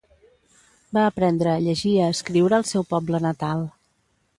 Va aprendre a llegir i a escriure al seu poble natal.